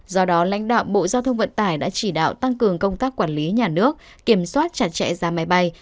do đó lãnh đạo bộ giao thông vận tải đã chỉ đạo tăng cường công tác quản lý nhà nước kiểm soát chặt chẽ giá máy bay